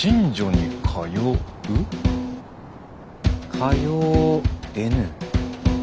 通えぬ。